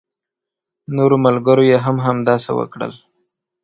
نورو ملګرو يې هم همداسې وکړل.